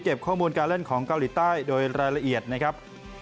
ข้อมูลการเล่นของเกาหลีใต้โดยรายละเอียดนะครับ